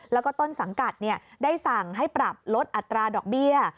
แล้วก็ต้นสังกัดได้สั่งให้ปรับลดอัตราดอกเบี้ย